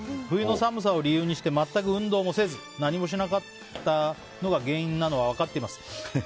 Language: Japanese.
冬の寒さを理由にして全く運動もせず何もしなかったのが原因なのは分かっています。